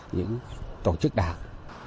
những tổ chức đảng